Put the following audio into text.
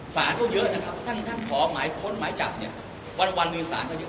สารเขาเยอะนะครับทั้งขอหมายค้นหมายจับเนี่ยวันมีสารเขาอยู่